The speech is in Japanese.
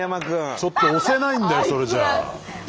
ちょっと押せないんだよそれじゃあ。